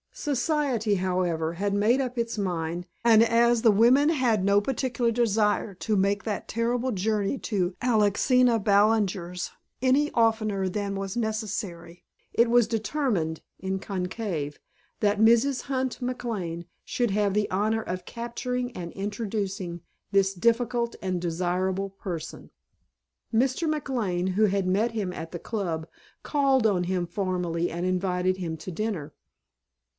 Society, however, had made up its mind, and as the women had no particular desire to make that terrible journey to Alexina Ballinger's any oftener than was necessary, it was determined (in conclave) that Mrs. Hunt McLane should have the honor of capturing and introducing this difficult and desirable person. Mr. McLane, who had met him at the Club, called on him formally and invited him to dinner.